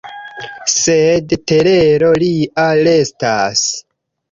Sed telero lia restas.